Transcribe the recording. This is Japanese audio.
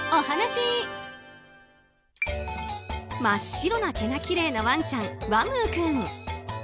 真っ白な毛がきれいなワンちゃんわむう君。